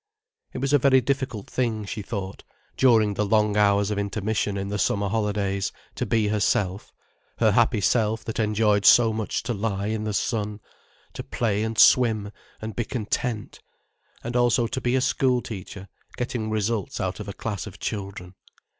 It was a very difficult thing, she thought, during the long hours of intermission in the summer holidays, to be herself, her happy self that enjoyed so much to lie in the sun, to play and swim and be content, and also to be a school teacher getting results out of a class of children.